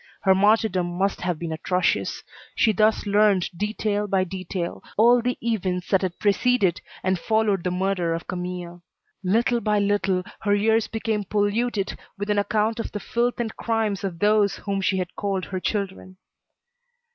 Her martyrdom must have been atrocious. She thus learned, detail by detail, all the events that had preceded and followed the murder of Camille. Little by little her ears became polluted with an account of the filth and crimes of those whom she had called her children.